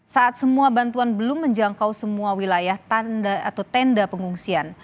saat semua bantuan belum menjangkau semua wilayah tanda atau tenda pengungsian